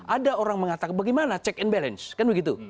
ada orang mengatakan bagaimana check and balance